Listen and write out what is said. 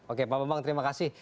oke pak bambang terima kasih